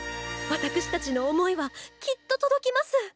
わたくしたちの想いはきっと届きます！